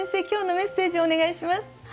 今日のメッセージをお願いします。